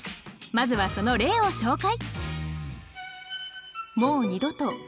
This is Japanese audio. まずはその例を紹介。